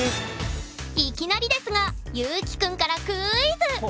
いきなりですがＹｕｋｉくんからクイズ！